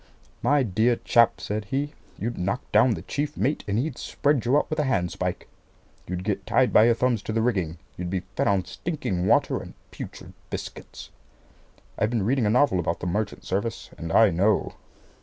"My dear chap," said he, "you'd knock down the chief mate, and he'd spread you out with a handspike. You'd get tied by your thumbs to the rigging. You'd be fed on stinking water and putrid biscuits. I've been reading a novel about the merchant service, and I know."